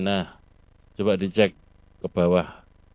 nah coba dicek ke bawah